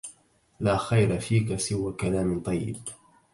لا خير فيك سوى كلام طيب